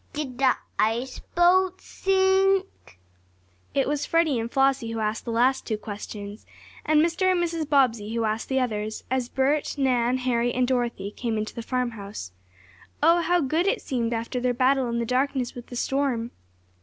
"Did the ice boat sink?" It was Freddie and Flossie who asked the last two questions, and Mr. and Mrs. Bobbsey who asked the others as Bert, Nan, Harry and Dorothy came into the farmhouse. Oh, how good it seemed after their battle in the darkness with the storm!